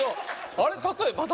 あれっ例えまだ？